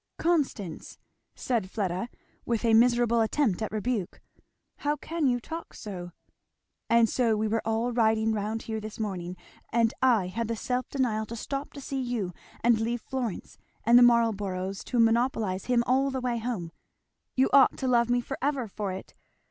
"Constance! " said Fleda with a miserable attempt at rebuke, "how can you talk so!" "And so we were all riding round here this morning and I had the self denial to stop to see you and leave Florence and the Marlboroughs to monopolize him all the way home. You ought to love me for ever for it.